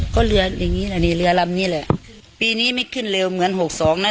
ก็เรืออย่างงี้แหละนี่เรือลำนี้แหละปีนี้ไม่ขึ้นเร็วเหมือนหกสองนะ